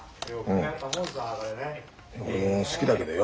うん俺も好きだけどよ